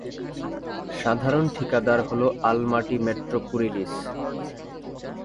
সাধারণ ঠিকাদার হল আলমাটিমেট্রোকুরিলিস।